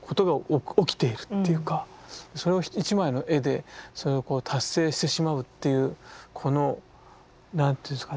それを一枚の絵でそれを達成してしまうっていうこの何ていうんですかね